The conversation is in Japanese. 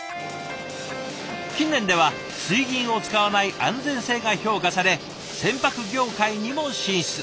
近年では水銀を使わない安全性が評価され船舶業界にも進出。